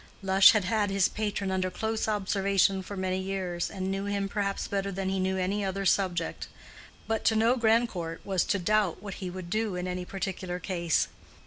Lush had had his patron under close observation for many years, and knew him perhaps better than he knew any other subject; but to know Grandcourt was to doubt what he would do in any particular case.